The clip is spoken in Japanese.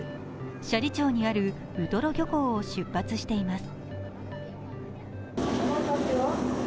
斜里町にあるウトロ漁港を出発しています。